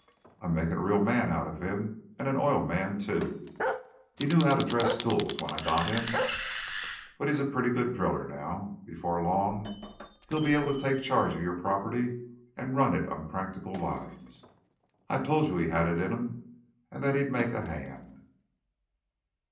"I'm making a real man out of him and an oil man, too. He knew how to dress tools when I got him, but he's a pretty good driller now. Before long he'll be able to take charge of your property and run it on practical lines. I told you he had it in him, and that he'd make a 'hand.'"